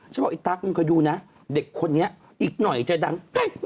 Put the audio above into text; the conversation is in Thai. ฉันบอกอี๊ตั๊กคุณค่อยดูนะเด็กคนนี้อีกหน่อยจะดัง